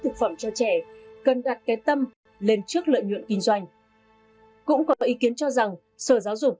thực phẩm cho trẻ cần đặt cái tâm lên trước lợi nhuận kinh doanh cũng có ý kiến cho rằng sở giáo dục